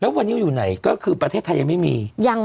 เพื่อไม่ให้เชื้อมันกระจายหรือว่าขยายตัวเพิ่มมากขึ้น